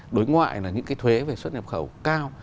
đối ngoại là những cái thuế về xuất nhập khẩu cao